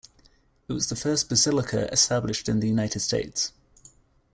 It was the first basilica established in the United States.